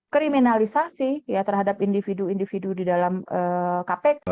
kriminalisasi ya terhadap individu individu di dalam kpk